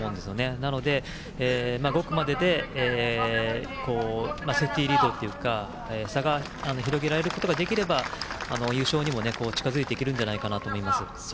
なので、５区まででセーフティーリードというか差が広げられることができれば優勝にも近づいていけるんじゃないかと思います。